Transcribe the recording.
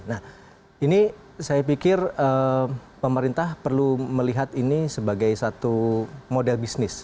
nah ini saya pikir pemerintah perlu melihat ini sebagai satu model bisnis